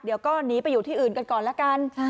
เดี๋ยวก็หนีไปอยู่ที่อื่นกันก่อนละกัน